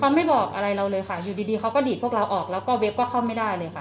เขาไม่บอกอะไรเราเลยค่ะอยู่ดีเขาก็ดีดพวกเราออกแล้วก็เว็บก็เข้าไม่ได้เลยค่ะ